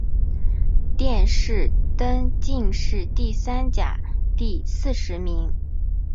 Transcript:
殿试登进士第三甲第四十名。